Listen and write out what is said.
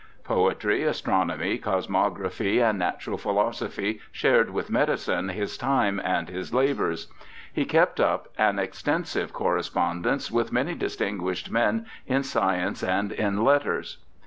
Poetry, astronom}^, cosmography, and natural philosophy shared with medicine his time and his labours. He kept up an extensive correspon dence with many distinguished men in science and in letters.